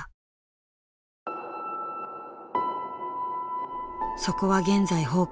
そこは現在崩壊が進み